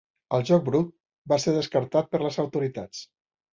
El joc brut va ser descartat per les autoritats.